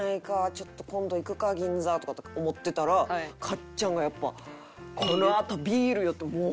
ちょっと今度行くか銀座とかって思ってたらかっちゃんがやっぱ「このあとビールよ」ってもうホンマ。